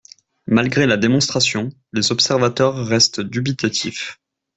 Malgré la démonstration, les observateurs restent dubitatifs.